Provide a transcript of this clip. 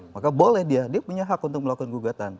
maka boleh dia punya hak untuk melakukan gugatan